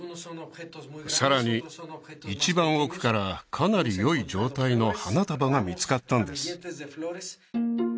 さらに一番奥からかなり良い状態の花束が見つかったんです